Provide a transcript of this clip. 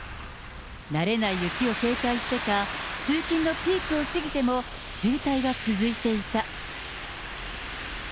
慣れない雪を警戒してか、通勤のピークを過ぎても渋滞が続いていた。